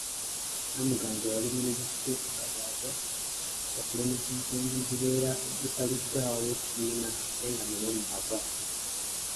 Namuganza yalumirizza Sipiika Kadaga okulemesa ensonga ezibeera zisaliddwawo ekibiina ate nga naye mw'ava.